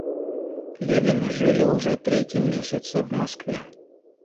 Левины жили уже третий месяц в Москве.